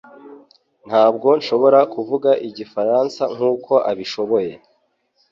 Ntabwo nshobora kuvuga igifaransa nkuko abishoboye